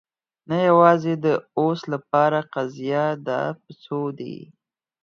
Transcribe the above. نه، یوازې د اوس لپاره قضیه. دا په څو دی؟